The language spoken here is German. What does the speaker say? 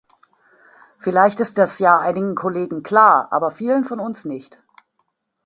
Vielleicht ist das ja einigen Kollegen klar, aber vielen von uns nicht.